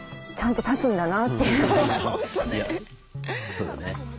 そうだね。